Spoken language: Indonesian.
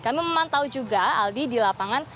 kami memantau juga aldi di lapangan